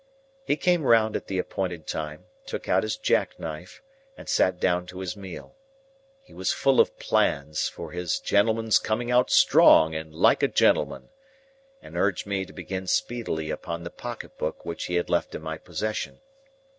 He came round at the appointed time, took out his jackknife, and sat down to his meal. He was full of plans "for his gentleman's coming out strong, and like a gentleman," and urged me to begin speedily upon the pocket book which he had left in my possession.